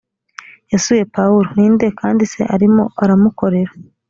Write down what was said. yasuye pawulo ni nde kandi se arimo aramukorera